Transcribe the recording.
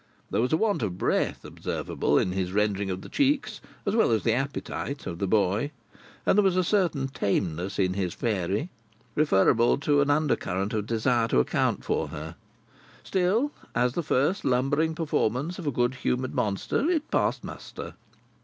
There was a want of breadth observable in his rendering of the cheeks, as well as the appetite, of the boy; and there was a certain tameness in his fairy, referable to an under current of desire to account for her. Still, as the first lumbering performance of a good humoured monster, it passed muster.